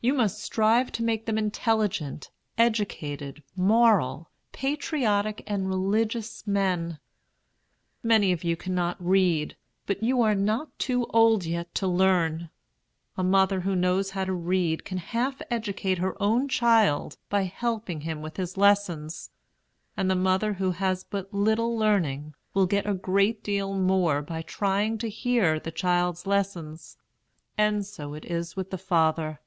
You must strive to make them intelligent, educated, moral, patriotic, and religious men. Many of you cannot read, but you are not too old yet to learn. A mother who knows how to read can half educate her own child by helping him with his lessons; and the mother who has but little learning will get a great deal more by trying to hear the child's lessons; and so it is with the father.